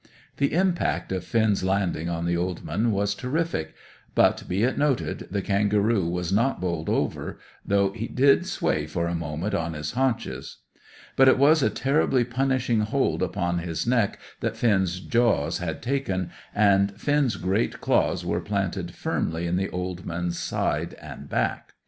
The impact of Finn's landing on the old man was terrific; but, be it noted, the kangaroo was not bowled over, though he did sway for a moment on his haunches. But it was a terribly punishing hold upon his neck that Finn's jaws had taken, and Finn's great claws were planted firmly in the old man's side and back.